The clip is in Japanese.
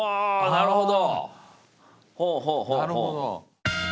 なるほど。